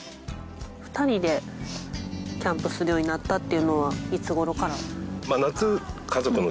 ２人でキャンプするようになったっていうのはいつ頃から。